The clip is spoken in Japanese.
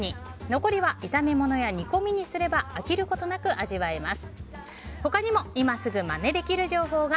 残りは炒め物や煮込みにすれば飽きることなく味わえます。